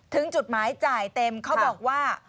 จุดหมายจ่ายเต็มเขาบอกว่า